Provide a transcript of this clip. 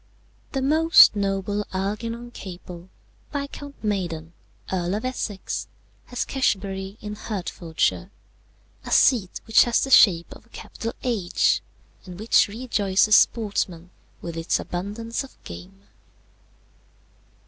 "The most noble Algernon Capel, Viscount Maiden, Earl of Essex, has Cashiobury in Hertfordshire, a seat which has the shape of a capital H, and which rejoices sportsmen with its abundance of game.